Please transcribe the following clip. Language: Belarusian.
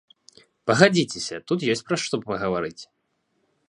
Пагадзіцеся, тут ёсць пра што пагаварыць.